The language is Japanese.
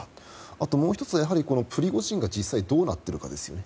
あと、もう１つはプリゴジンが実際にどうなっているかですね。